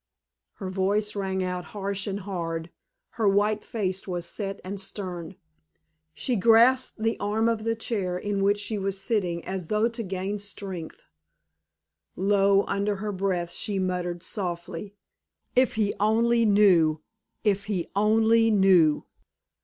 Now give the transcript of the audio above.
Her voice rang out harsh and hard; her white face was set and stern; she grasped the arm of the chair in which she was sitting as though to gain strength. Low under her breath she muttered, softly: "If he only knew, if he only knew!